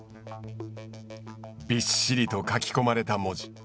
びっしりと書き込まれた文字。